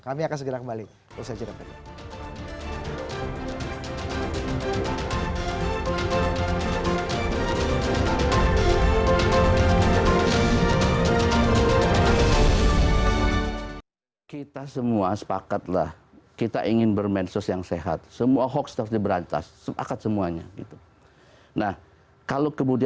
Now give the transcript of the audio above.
kami akan segera kembali